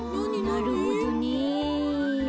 なるほどね。